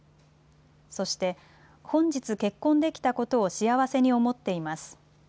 そして、本日結婚できたことを幸せに思っています。